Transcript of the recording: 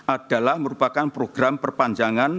adalah merupakan program perpanjangan